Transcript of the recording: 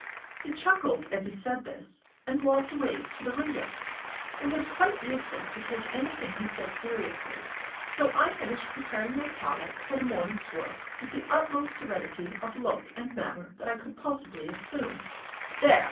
He chuckled as he said this, and walked away to the window. It was quite useless to take anything he said seriously, so I finished preparing my palette for the morning's work with the utmost serenity of look and manner that I could possibly assume. "There!"